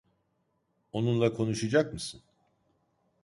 Onunla konuşacak mısın?